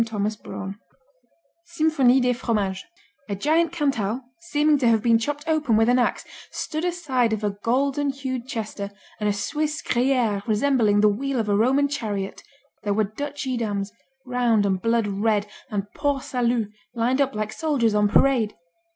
Thomas Braun Symphonie des Fromages A giant Cantal, seeming to have been chopped open with an ax, stood aside of a golden hued Chester and a Swiss Gruyère resembling the wheel of a Roman chariot There were Dutch Edams, round and blood red, and Port Saluts lined up like soldiers on parade.